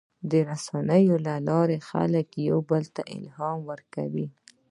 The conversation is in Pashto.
د رسنیو له لارې خلک یو بل ته الهام ورکوي.